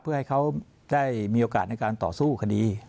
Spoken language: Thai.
เพื่อให้เขาได้มีโอกาสในการต่อสู้คดี